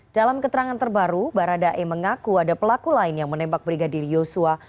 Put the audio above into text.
dalam keterangan terbaru baradae mengaku ada pelaku lain yang menembak brigadir yosua